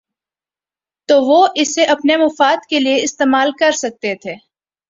تو وہ اسے اپنے مفاد کے لیے استعمال کر سکتے تھے۔